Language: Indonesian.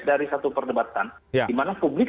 dari satu perdebatan dimana publik